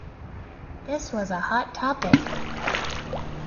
This was a hot topic.